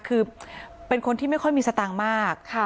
คือเป็นคนที่ไม่ค่อยมีสตางค์มาก